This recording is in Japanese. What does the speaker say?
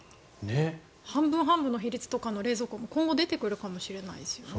半分半分の比率の冷蔵庫も今後出てくるかもしれないですよね。